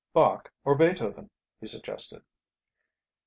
Bach or Beethoven?" he suggested.